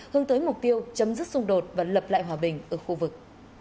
hướng tới mục tiêu chấm dứt xung đột và lập lại hòa bình ở khu vực